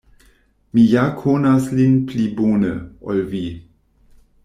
Mi ja konas lin pli bone, ol vi.